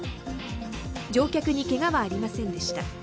乗客にけがはありませんでした。